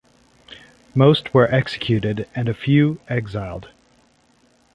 Most were executed and a few exiled.